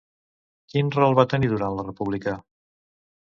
Quin rol va tenir durant la República?